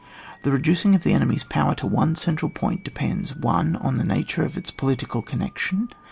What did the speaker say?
The reducing the enemy's power to one central point depends—* 1. On the nature of its political con nection.